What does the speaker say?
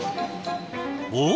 おっ！